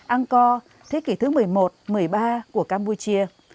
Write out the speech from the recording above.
angkor thế kỷ thứ một mươi một một mươi ba của campuchia